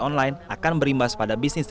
pengamat ekonomi universitas pajajaran dian mbak